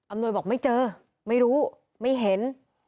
หน่วยบอกไม่เจอไม่รู้ไม่เห็น